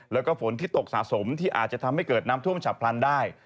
แล้วก็ฝนที่ตกสะสมที่อาจจะทำให้เกิดน้ำท่วมฉับพลันได้